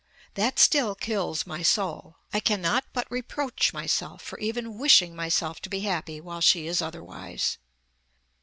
That still kills my soul. I cannot but reproach myself for even wishing myself to be happy while she is otherwise."